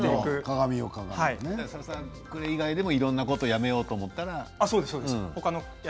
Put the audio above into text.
ささくれ以外でもいろいろなことをやめようと思ったら。